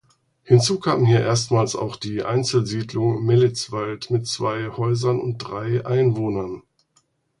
Hinzu kam hier erstmals auch die Einzelsiedlung Mellitzwald mit zwei Häusern und drei Einwohnern.